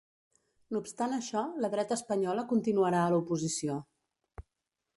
No obstant això, la dreta espanyola continuarà a l’oposició.